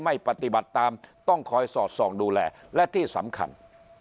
ไม่ปฏิบัติตามต้องคอยสอดส่องดูแลและที่สำคัญ